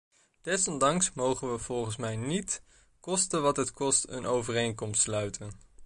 Desondanks mogen we volgens mij niet koste wat het kost een overeenkomst sluiten.